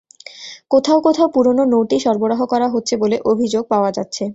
কোথাও কোথাও পুরোনো নোটই সরবরাহ করা হচ্ছে বলে অভিযোগ পাওয়া যাচ্ছে।